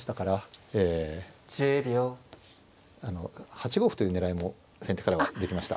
８五歩という狙いも先手からはできました。